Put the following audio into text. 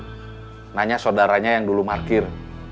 menanyakan sodaranya yang dulu markir